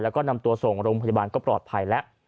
แล้วก็นำตัวส่งโรงพยาบาลก็ปลอดภัยแล้ว